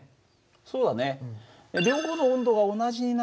そうだね。